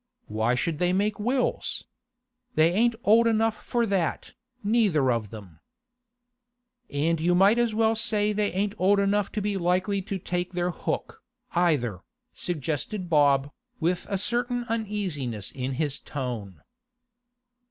'Why should they make wills? They ain't old enough for that, neither of them.' 'And you might as well say they ain't old enough to be likely to take their hook, either,' suggested Bob, with a certain uneasiness in his tone.